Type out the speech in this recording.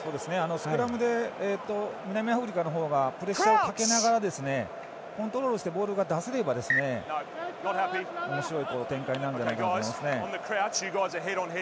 スクラムで南アフリカの方がプレッシャーをかけながらコントロールしてボールが出せればおもしろい展開になるんじゃないかと思いますね。